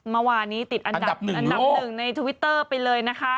เมื่อวานนี้ติดอันดับอันดับหนึ่งในทวิตเตอร์ไปเลยนะคะ